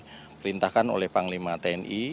yang telah diperintahkan oleh panglima tni